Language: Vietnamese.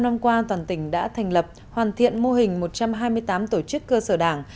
năm năm qua toàn tỉnh đã thành lập hoàn thiện mô hình một trăm hai mươi tám tổ chức cơ sở đảng